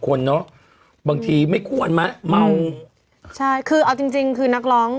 คนเนอะบางทีไม่ควรมาเมาใช่คือเอาจริงจริงคือนักร้อง